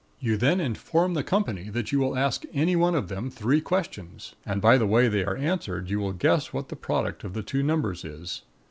You then inform the company that you will ask any one of them three questions, and by the way they are answered you will guess what the product of the two numbers is.